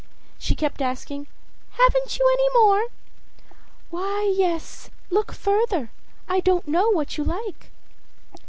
She kept asking: âHaven't you any more?â âWhy, yes. Look further; I don't know what you like.